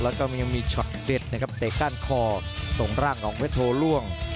แล้วก็ยังมีช็อตเด็ดนะครับเตะก้านคอส่งร่างของเวทโทล่วง